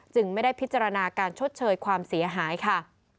ไม่ได้พิจารณาการชดเชยความเสียหายค่ะ